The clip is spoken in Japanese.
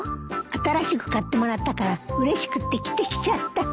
新しく買ってもらったからうれしくって着てきちゃった。